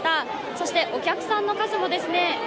そしてお客さんの数もですね